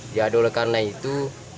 dia doleh karena itu